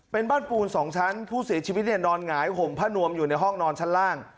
เป็นบ้านปูน๒ชั้นผู้เสียชีวิตเนี่ยนอนหงายห่มผ้านวมอยู่ในห้องนอนชั้นล่าง